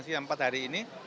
sekian empat hari ini